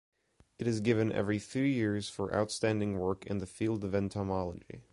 It is given every three years for outstanding work in the field of entomology.